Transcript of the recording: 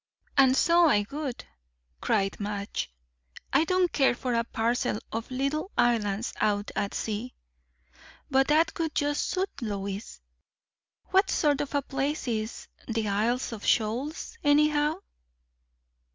"And so I would," cried Madge. "I don't care for a parcel of little islands out at sea. But that would just suit Lois. What sort of a place is the Isles of Shoals anyhow?"